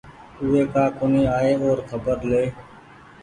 اوي ڪآ ڪونيٚ آئي اور خبر لي